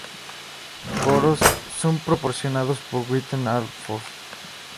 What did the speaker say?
Coros son proporcionados por Whitney Alford.